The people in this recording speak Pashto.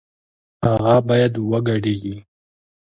هغه بايد وګډېږي